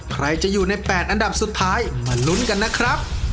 ใครจะอยู่ใน๘อันดับสุดท้ายมาลุ้นกันนะครับ